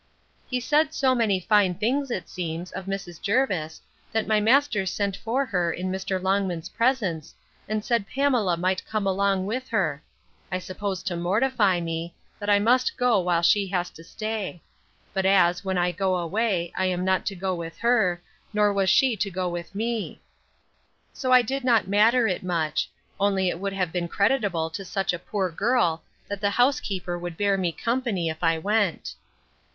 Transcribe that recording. He said so many fine things, it seems, of Mrs. Jervis, that my master sent for her in Mr. Longman's presence, and said Pamela might come along with her; I suppose to mortify me, that I must go while she was to stay: But as, when I go away, I am not to go with her, nor was she to go with me; so I did not matter it much; only it would have been creditable to such a poor girl, that the housekeeper would bear me company, if I went.